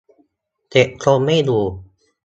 เก็บทรงไม่อยู่